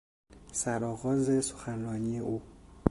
سرآغاز سخنرانی او